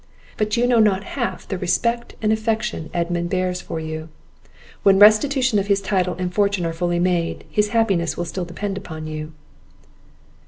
But you know not half the respect and affection Edmund bears for you. When restitution of his title and fortune are fully made, his happiness will still depend on you."